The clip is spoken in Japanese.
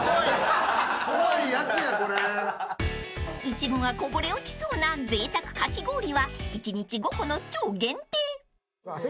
［いちごがこぼれ落ちそうなぜいたくかき氷は１日５個の超限定］